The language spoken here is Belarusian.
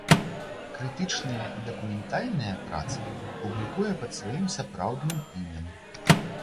Крытычныя і дакументальныя працы публікуе пад сваім сапраўдным імем.